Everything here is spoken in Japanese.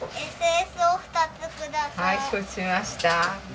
はい承知しました。